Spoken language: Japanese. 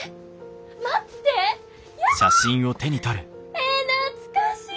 え懐かしい！